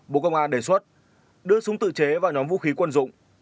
bộ công an đề xuất đưa súng tự chế vào nhóm vũ khí quân dụng